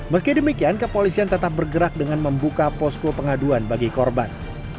meski demikian kepolisian tetap bergerak dengan membuka posko pengaduan bagi korban